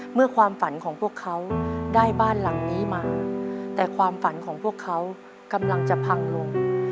ความฝันของพวกเขาได้บ้านหลังนี้มาแต่ความฝันของพวกเขากำลังจะพังลง